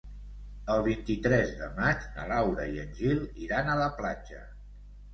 El vint-i-tres de maig na Laura i en Gil iran a la platja.